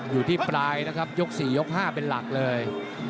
อยู่ที่ปลายนะครับยก๔ยก๕เป็นหลักเลย